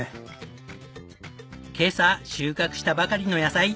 今朝収穫したばかりの野菜。